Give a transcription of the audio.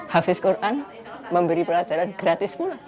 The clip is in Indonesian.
hafiz quran memberi pelajaran gratis pula